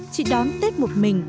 chị đón tết một mình